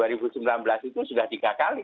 dua ribu sembilan belas itu sudah tiga kali